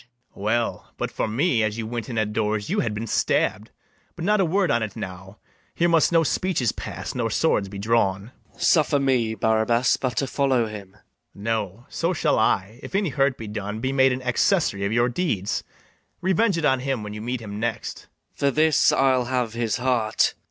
[Exit.] BARABAS. Well, but for me, as you went in at doors You had been stabb'd: but not a word on't now; Here must no speeches pass, nor swords be drawn. MATHIAS. Suffer me, Barabas, but to follow him. BARABAS. No; so shall I, if any hurt be done, Be made an accessary of your deeds: Revenge it on him when you meet him next. MATHIAS. For this I'll have his heart.